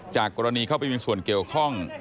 จากกรณีเข้าไปเป็นส่วนเกี่ยวข้อง